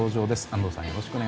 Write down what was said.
安藤さん